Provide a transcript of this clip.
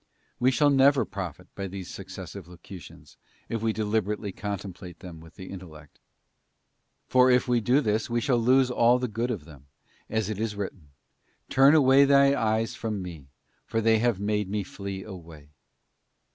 We shall never profit by these Successive Locu tions if we deliberately contemplate them with the intellect, for if we do this we shall lose all the good of them, as it is written, 'Turn away thy eyes from me, for they have made me flee away.